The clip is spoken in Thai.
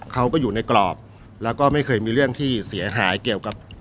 เขาก็อยู่ในกรอบแล้วก็ไม่เคยมีเรื่องที่เสียหายเกี่ยวกับ